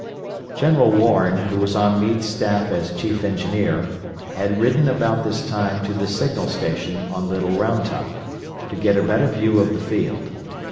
General Warren, who was on Meade's staff as Chief Engineer, had ridden about this time to the signal station on Little Round Top, to get a better view of the field.